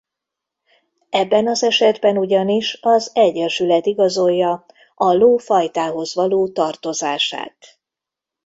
Ebben az esetben ugyanis az Egyesület igazolja a ló fajtához való tartozását.